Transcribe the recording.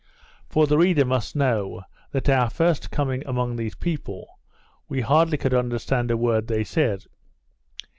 For the reader must know, that at our first coming among these people, we hardly could understand a word they said.